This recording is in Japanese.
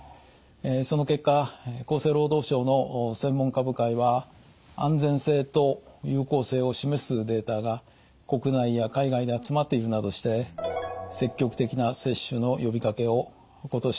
その結果厚生労働省の専門家部会は安全性と有効性を示すデータが国内や海外で集まっているなどしてなるほど。